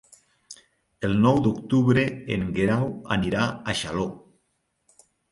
El nou d'octubre en Guerau anirà a Xaló.